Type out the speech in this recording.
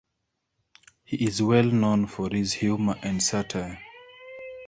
He is well known for his humor and satire.